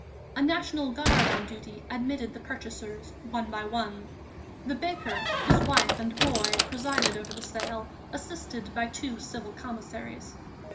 A National Guard on duty admitted the purchasers one by one. The baker, his wife and boy presided over the sale, assisted by two Civil Commissaries.